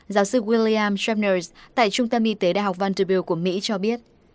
giáo sư william shepner tại trung tâm y tế đại học vanderbilt của mỹ cho biết